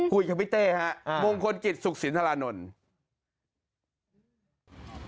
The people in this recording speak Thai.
คุยกับพี่เต้ครับวงคนกิจสุขศิลป์ธรานนทร์